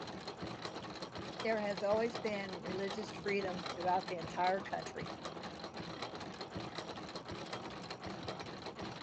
There has always been religious freedom throughout the entire country.